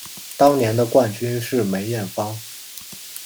当年的冠军是梅艳芳。